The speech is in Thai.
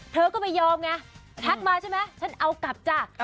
เธอก็ไม่ยอมไงทักมาใช่ไหมฉันเอากลับจ้ะ